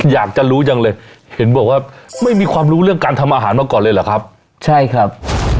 อยากจะรู้จังเลยเห็นบอกว่าไม่มีความรู้เรื่องการทำอาหารมาก่อนเลยเหรอครับใช่ครับ